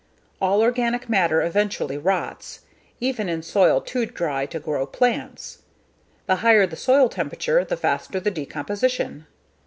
All organic matter eventually rots, even in soil too dry to grow plants. The higher the soil temperature the faster the decomposition.